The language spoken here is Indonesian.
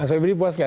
mas webri puas nggak